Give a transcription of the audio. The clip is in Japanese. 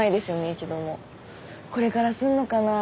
一度もこれからすんのかな？